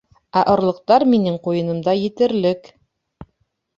Ә орлоҡтар минең ҡуйынымда етерлек.